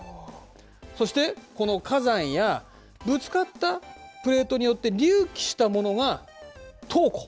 そしてこの火山やぶつかったプレートによって隆起したものが島弧。